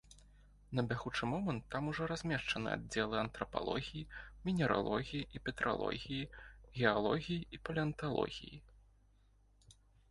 На бягучы момант там ужо размешчаны аддзелы антрапалогіі, мінералогіі і петралогіі, геалогіі і палеанталогіі.